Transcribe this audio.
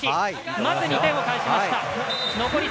まず２点を返しました。